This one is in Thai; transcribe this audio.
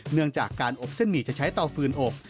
เนื่องจากการอบเส้นหมี่จะใช้เตาฟืนอบ